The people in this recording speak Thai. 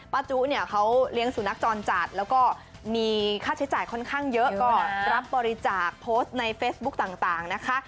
จุเนี่ยเขาเลี้ยงสุนัขจรจัดแล้วก็มีค่าใช้จ่ายค่อนข้างเยอะก็รับบริจาคโพสต์ในเฟซบุ๊กต่างนะคะ